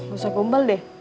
gak usah kumpel deh